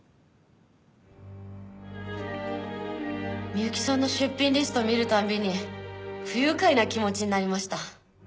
美由紀さんの出品リストを見るたびに不愉快な気持ちになりました。